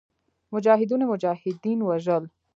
مجاهدینو مجاهدین وژل.